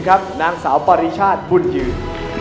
๓๓๐ครับนางสาวปริชาธิบุญยืน